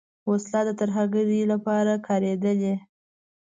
وسله د ترهګرۍ لپاره هم کارېدلې